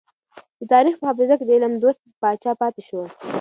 د تاريخ په حافظه کې د علم دوست پاچا پاتې شو.